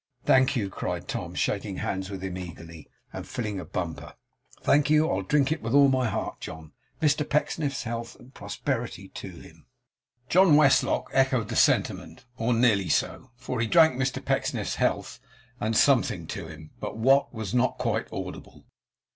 'Thank you,' cried Tom, shaking hands with him eagerly, and filling a bumper. 'Thank you; I'll drink it with all my heart, John. Mr Pecksniff's health, and prosperity to him!' John Westlock echoed the sentiment, or nearly so; for he drank Mr Pecksniff's health, and Something to him but what, was not quite audible.